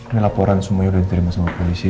ini laporan sumaya udah diterima sama polisi